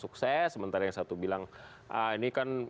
sukses sementara yang satu bilang ini kan